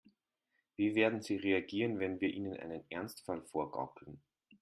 Wie werden sie reagieren, wenn wir ihnen einen Ernstfall vorgaukeln?